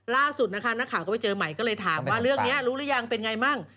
ล่าสุดนะคะนักข่าวก็ไปเจอใหม่ก็เลยถามว่าเรื่องนี้รู้หรือยังเป็นไงมั่ง